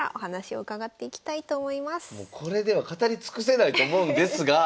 これでは語り尽くせないと思うんですが。